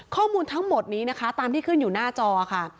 ข้อมูลทั้งหมดนี้นะคะตามที่ขึ้นอยู่หน้าจอค่ะ